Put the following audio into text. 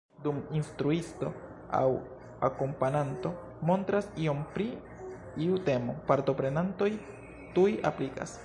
Dum instruisto aŭ akompananto montras ion pri iu temo, partoprenantoj tuj aplikas.